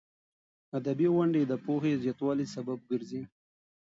ادبي غونډې د پوهې د زیاتوالي سبب ګرځي.